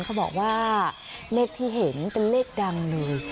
เขาบอกว่าเลขที่เห็นเป็นเลขดังเลย